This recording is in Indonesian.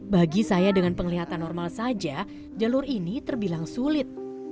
bagi saya dengan penglihatan normal saja jalur ini terbilang sulit